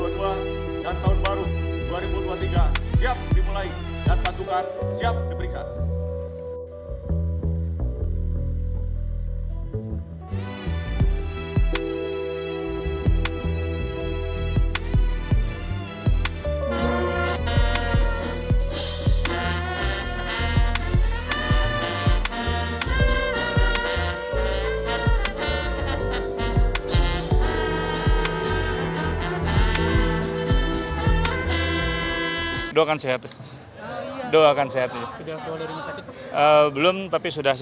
dan tahun baru dua ribu dua puluh tiga siap dimulai dan pantukan siap diperiksa